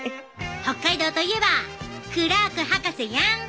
北海道といえばクラーク博士やん！